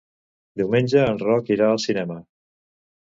Diumenge en Roc irà al cinema.